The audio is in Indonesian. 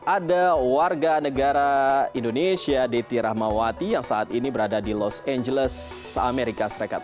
ada warga negara indonesia diti rahmawati yang saat ini berada di los angeles amerika serikat